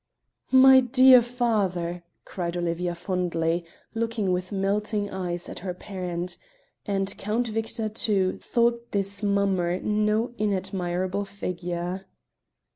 "My dear father!" cried Olivia fondly, looking with melting eyes at her parent; and Count Victor, too, thought this mummer no inadmirable figure.